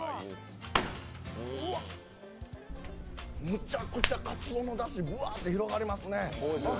むちゃくちゃかつおのだし、うわーっと広がりますね。